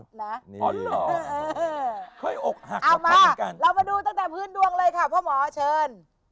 เอามาเรามาดูตั้งแต่พื้นดวงเลยค่ะพ่อหมอเชิญ